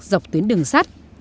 dọc tuyến đường sắt